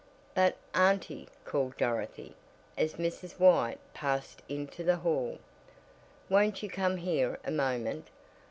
"But, auntie," called Dorothy, as Mrs. White passed into the hall, "won't you come here a moment?